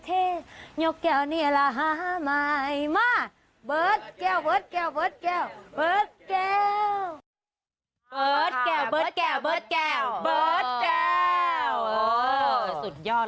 เบิร์ดแก่วเบิร์ดแก่วเบิร์ดแก่วเบิร์ดแก่วเบิร์ดแก่ว